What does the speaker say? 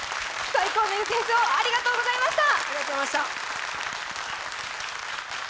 最高のゆずフェスありがとうございました！